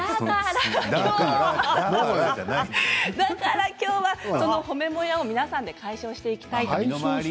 だから、その褒めモヤを皆さんで解消していきたいと思います。